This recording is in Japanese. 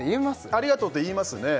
「ありがとう」って言いますね